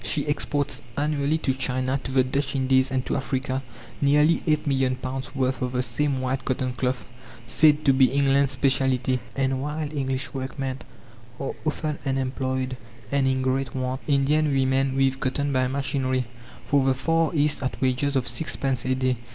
She exports annually to China, to the Dutch Indies, and to Africa, nearly eight million pounds' worth of the same white cotton cloth, said to be England's specialty. And while English workmen are often unemployed and in great want, Indian women weave cotton by machinery, for the Far East at wages of six pence a day.